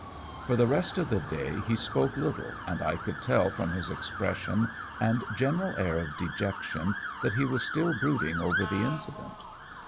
"For the rest of the day he spoke little; and I could tell from his expression and general air of dejection that he was still brooding over the incident.